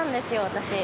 私。